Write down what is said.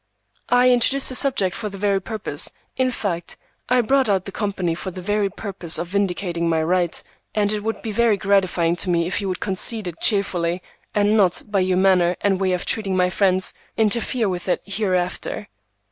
"I introduced the subject for the very purpose; in fact, I brought out the company for the very purpose of vindicating my right, and it would be very gratifying to me if you would concede it cheerfully, and not, by your manner and way of treating my friends, interfere with it hereafter."